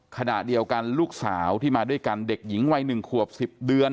ขณะเดียวกันลูกสาวที่มาด้วยกันเด็กหญิงวัย๑ขวบ๑๐เดือน